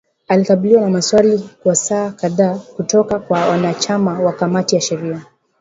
Alikabiliwa na maswali kwa saa kadhaa kutoka kwa wanachama wa kamati ya sheria,